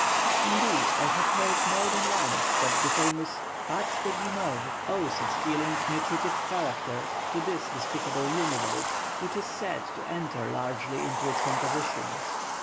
Indeed I have heard more than once that the famous "Pâte de Guimauve" owes its healing nutritive character to this despised univalve, which is said to enter largely into its composition.